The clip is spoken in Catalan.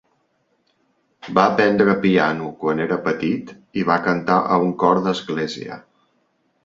Va aprendre piano quan era petit i va cantar a un cor d'església.